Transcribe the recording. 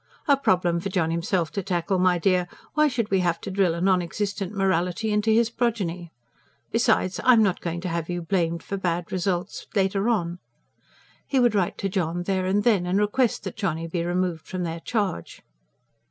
"A problem for John himself to tackle, my dear. Why should we have to drill a non existent morality into his progeny? Besides, I'm not going to have you blamed for bad results, later on." He would write to John there and then, and request that Johnny be removed from their charge.